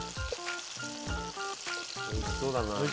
おいしそうだな。